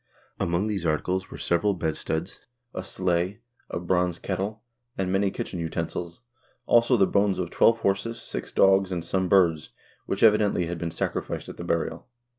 Among these articles were : several bedsteads, a sleigh, a bronze kettle, and many kitchen utensils ; also the bones of twelve horses, six dogs, and some birds, which, evidently, had been sacrificed at the burial.